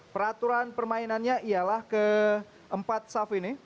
peraturan permainannya ialah ke empat safi ini